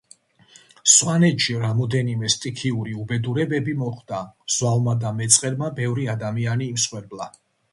სვანეთში რამოდენიმე სტიქიური უბედურებები მოხდა, ზვავმა და მეწყერმა ბევრი ადამიანი იმსხვერპლა